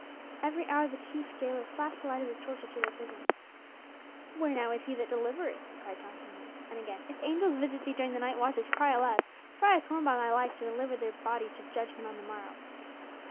Every hour the chief jailer flashed the light of his torch into their prison. "Where now is he that delivereth?" he cried tauntingly. And again, "If angels visit thee during the night watches cry aloud, for I have sworn by my life to deliver thy bodies to judgment on the morrow."